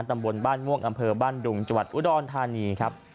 ตำบลบ้านม่วงอำเภอบ้านดุงจังหวัดอุดรธานีครับ